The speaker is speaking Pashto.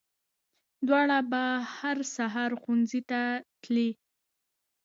دواړه به هر سهار ښوونځي ته تلې